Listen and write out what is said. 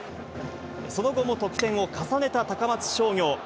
その後も得点を重ねた高松商業。